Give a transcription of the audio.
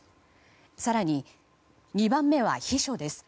更に、２番目は秘書です。